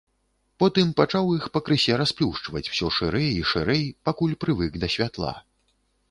Потым пачаў іх пакрысе расплюшчваць усё шырэй і шырэй, пакуль прывык да святла.